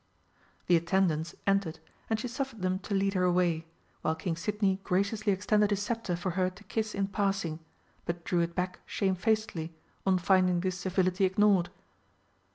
The attendants entered and she suffered them to lead her away, while King Sidney graciously extended his sceptre for her to kiss in passing, but drew it back shamefacedly on finding this civility ignored.